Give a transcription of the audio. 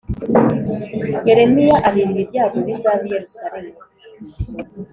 Yeremiya aririra ibyago bizaba i Yerusalemu